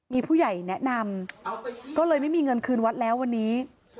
มีผู้ใหญ่แนะนำก็เลยไม่มีเงินคืนวัดแล้ววันนี้